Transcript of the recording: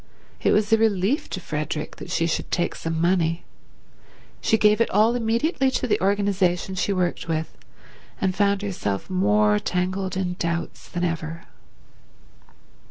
It was a relief to Frederick that she should take some money. She gave it all immediately to the organization she worked with, and found herself more tangled in doubts than ever.